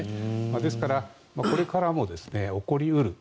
ですからこれからも起こり得る。